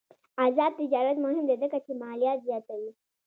آزاد تجارت مهم دی ځکه چې مالیات زیاتوي.